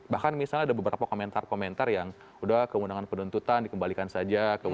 bahkan misalnya ada beberapa komentar komentar yang udah keundangan penuntutan dikembalikan saja